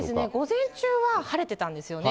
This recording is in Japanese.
午前中は晴れてたんですよね。